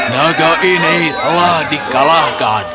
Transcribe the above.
naga ini telah dikalahkan